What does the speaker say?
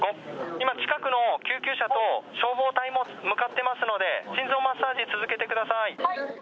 今、近くの救急車と消防隊も向かっていますので、心臓マッサージ続けてください。